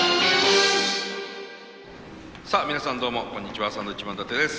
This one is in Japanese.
さあ皆さんどうもこんにちはサンドウィッチマン伊達です。